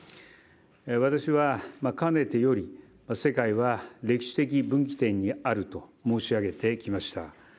私はかねてより、世界は歴史的分岐点にあると申し上げてきました。